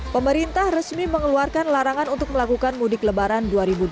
pemerintah resmi mengeluarkan larangan untuk melakukan mudik lebaran dua ribu dua puluh